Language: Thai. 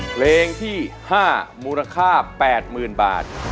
เพลงที่๕มูลค่า๘๐๐๐บาท